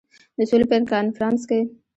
د سولي په کنفرانس کې.